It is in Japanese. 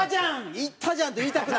言ったじゃん！」って言いたくなる？